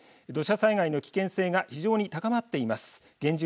土砂災害の危険性が非常に高まっています。